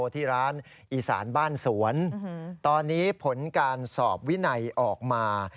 ที่ร้านอีสานบ้านสวนตอนนี้ผลการสอบวินัยออกมา